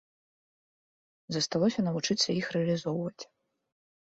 Засталося навучыцца іх рэалізоўваць.